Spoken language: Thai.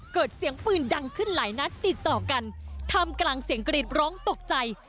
เกิดเสียงปืนดังขึ้นหลายนัดติดต่อกันทำกลางเสียงกรีดร้องตกใจ